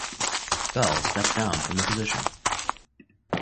Bell stepped down from the position.